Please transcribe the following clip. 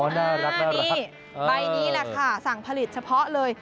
อ๋อน่ารักน่ารักนี่ใบนี้แหละค่ะสั่งผลิตเฉพาะเลย